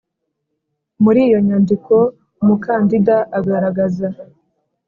Muri iyo nyandiko Umukandida agaragaza